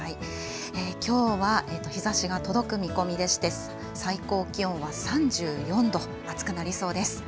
きょうは、すっきりと日ざしが届く見込みで最高気温は３４度暑くなる見込みです。